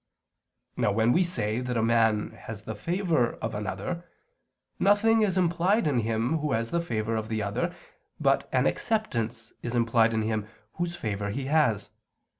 Now when we say that a man has the favor of another, nothing is implied in him who has the favor of the other, but an acceptance is implied in him whose favor he has.